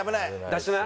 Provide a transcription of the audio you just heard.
出しな。